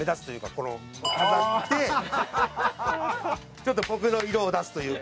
ちょっと僕の色を出すというか。